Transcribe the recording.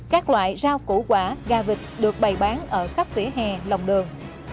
các loại rau củ quả gà vịt được bày bán ở khắp vỉa hè lòng đường